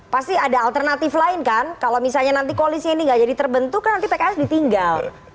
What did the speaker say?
pasti ada alternatif lain kan kalau misalnya nanti koalisnya ini nggak jadi terbentuk kan nanti pks ditinggal